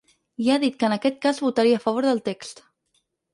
I ha dit que en aquest cas votaria a favor del text.